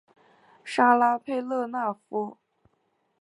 拉沙佩勒纳夫。